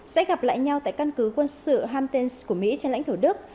sẽ gặp lại nhau tại căn cứ quân sự hamtens của mỹ trên lãnh thổ đức